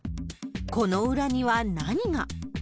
この裏には何が。